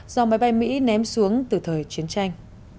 do máy bay mỹ ném xuống từ thời chiến tranh